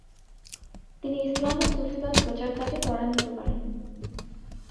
তিনি ইসলাম ও সুফীবাদ প্রচার কাজ তরান্বিত করেন।